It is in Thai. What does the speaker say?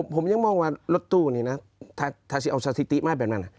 ผมยังมองว่ารถตู้นี่นะถ้าสิเอาสถิติมาแบบนั้น